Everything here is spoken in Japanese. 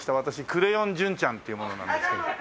クレヨン純ちゃんっていう者なんですけど。